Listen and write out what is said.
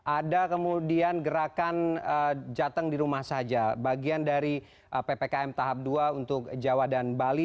ada kemudian gerakan jateng di rumah saja bagian dari ppkm tahap dua untuk jawa dan bali